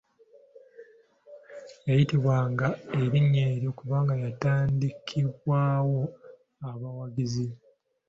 Yayitibwanga erinnya eryo kubanga yatandikibwawo bawagizi.